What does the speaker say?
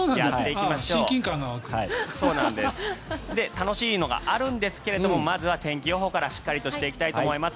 楽しいのがあるんですがまずは天気予報からしっかりしていきたいと思います。